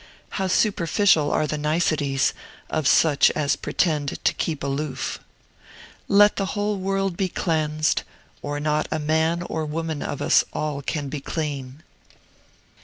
How superficial are the niceties of such as pretend to keep aloof! Let the whole world be cleansed, or not a man or woman of us all can be clean.